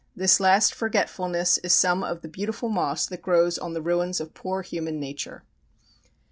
This last forgetfulness is some of the beautiful moss that grows on the ruins of poor human nature.